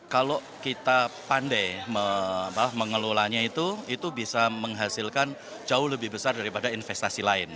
kalau kita pandai mengelolanya itu itu bisa menghasilkan jauh lebih besar daripada investasi lain